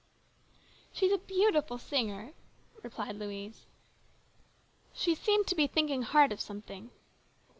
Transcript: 165 " She is a beautiful singer," replied Louise. She seemed to be thinking hard of something.